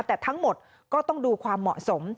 แต่ทั้งหมดก็ต้องดูความเหมาะสม